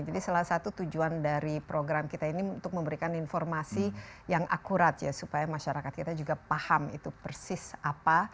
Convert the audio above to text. salah satu tujuan dari program kita ini untuk memberikan informasi yang akurat ya supaya masyarakat kita juga paham itu persis apa